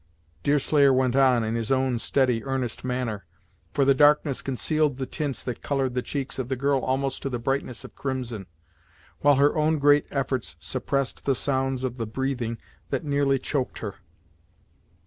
Deerslayer went on, in his own steady, earnest manner, for the darkness concealed the tints that colored the cheeks of the girl almost to the brightness of crimson, while her own great efforts suppressed the sounds of the breathing that nearly choked her.